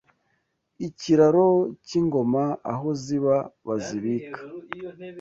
Ikiraro cy’ingoma Aho ziba bazibika